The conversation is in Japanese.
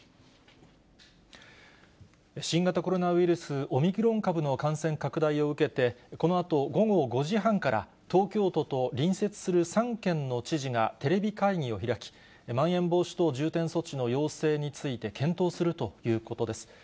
新型コロナウイルス、オミクロン株の感染拡大を受けて、このあと午後５時半から、東京都と、隣接する３県の知事がテレビ会議を開き、まん延防止等重点措置の要請について検討するということです。